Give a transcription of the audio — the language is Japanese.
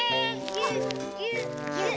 ぎゅっぎゅっぎゅっ。